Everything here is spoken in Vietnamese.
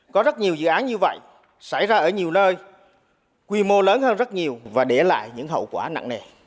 có rất nhiều dự án như vậy xảy ra ở nhiều nơi quy mô lớn hơn rất nhiều và để lại những hậu quả nặng nề